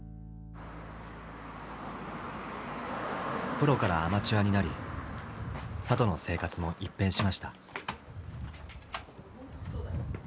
プロからアマチュアになり里の生活も一変しました。